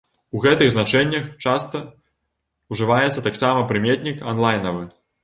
У гэтых значэннях часта ўжываецца таксама прыметнік анлайнавы.